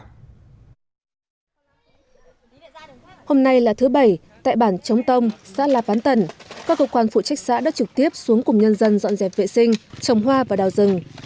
hôm nay là thứ bảy tại bản trống tông xã lạp ván tần các cơ quan phụ trách xã đã trực tiếp xuống cùng nhân dân dọn dẹp vệ sinh trồng hoa và đào rừng